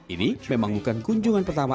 ini memang bukan kunjungan pertama